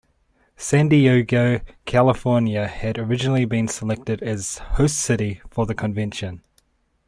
San Diego, California, had originally been selected as host city for the convention.